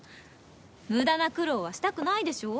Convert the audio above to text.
無駄な苦労はしたくないでしょ？